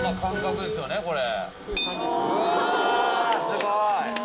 すごい。